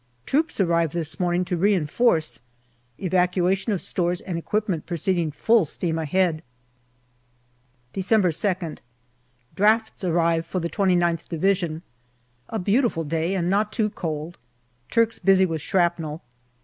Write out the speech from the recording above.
Troops arrive this morning to reinforce. Evacuation of stores and equipment proceed ing full steam ahead. December 2nd. Drafts arrive for the 2Qth Division. A beautiful day and not too cold. Turks busy with shrapnel.